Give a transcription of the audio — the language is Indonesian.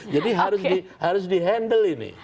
jadi harus di handle ini